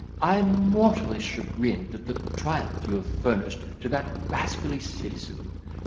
I am mortally chagrined at the triumph you have furnished to that rascally citizen.